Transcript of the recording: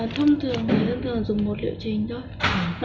thông thường là dùng một liệu trình thôi